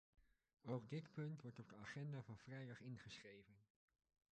Ook dit punt wordt op de agenda van vrijdag ingeschreven.